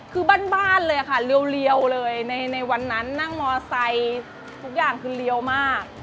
คือบ้านเลยค่ะเรียวเลยในวันนั้นนั่งมอไซค์ทุกอย่างคือเรียวมาก